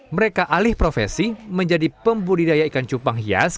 mereka alih profesi menjadi pembudidaya ikan cupang hias